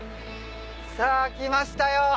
さぁ来ましたよ